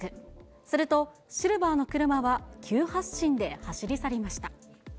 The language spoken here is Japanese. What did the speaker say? すると、シルバーの車は急発進で走り去りました。